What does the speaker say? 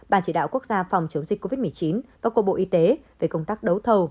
ban chỉ đạo quốc gia phòng chống dịch covid một mươi chín và của bộ y tế về công tác đấu thầu